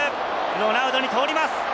ロナウドに通ります。